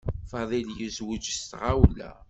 Fadil yezweǧ s tɣawla.